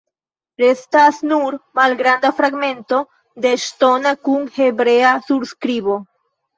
Restas nur malgranda fragmento de ŝtono kun hebrea surskribo.